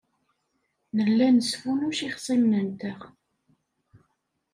Nella nesfunnuc ixṣimen-nteɣ.